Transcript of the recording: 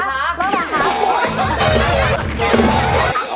รอดตั้งหลังค้า